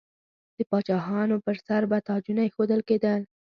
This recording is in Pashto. د پاچاهانو پر سر به تاجونه ایښودل کیدل.